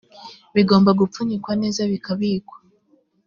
bigomba gupfunyikwa neza bikabikwa